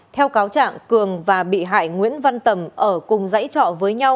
theo cáo trạng cường và bị hại nguyễn văn tầm ở cùng dãy trọ với nhau